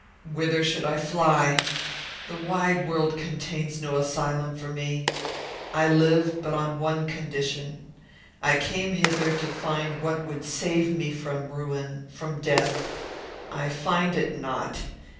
"Whither should I fly? The wide world contains no asylum for me. I lived but on one condition. I came hither to find what would save me from ruin, from death. I find it not.